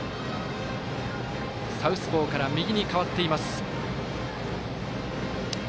サウスポーから右に変わっています。